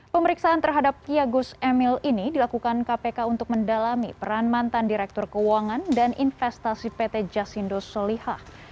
pemeriksaan terhadap kiagus emil ini dilakukan kpk untuk mendalami peran mantan direktur keuangan dan investasi pt jasindo solihah